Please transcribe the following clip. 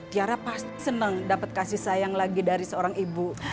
tiara senang dapat kasih sayang lagi dari seorang ibu